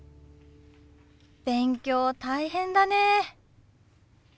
勉強大変だね。